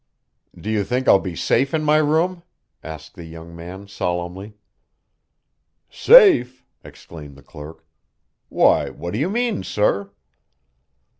"Do you think I'll be safe in my room?" asked the young man solemnly. "Safe!" exclaimed the clerk. "Why, what do you mean, sir?"